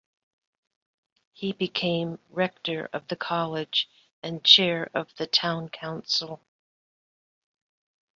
He became rector of the college and chair of the town council.